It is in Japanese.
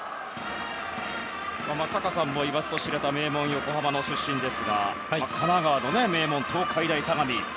松坂さんも言わずと知れた名門・横浜の出身ですが神奈川の名門・東海大相模。